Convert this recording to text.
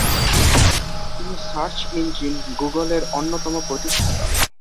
তিনি search engine "Google" এর অন্যতম প্রতিষ্ঠাতা।